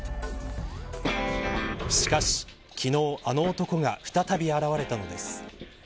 しかし、昨日、あの男が再び現れたのです。